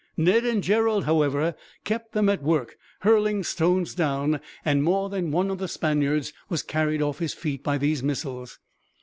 Ned and Gerald, however, kept them at work hurling stones down, and more than one of the Spaniards was carried off his feet by these missiles.